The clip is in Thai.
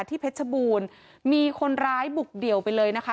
เพชรบูรณ์มีคนร้ายบุกเดี่ยวไปเลยนะคะ